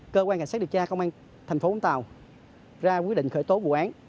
cơ quan cảnh sát điều tra công an tp vũng tàu ra quyết định khởi tố vụ án